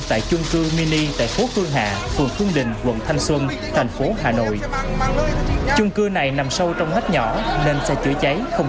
tại chung cư mini tại phố khương hà phường thăng xuân tp hà nội vào khuya ngày một mươi hai tháng chín